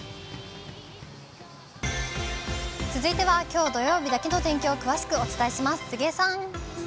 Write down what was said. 続いてはきょう土曜日だけの天気を詳しくお伝えします。